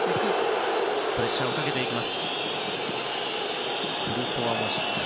プレッシャーをかけていきます。